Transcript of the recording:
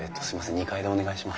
２階でお願いします。